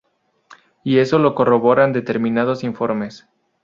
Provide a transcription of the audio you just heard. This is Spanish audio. Y eso lo corroboran determinados informes.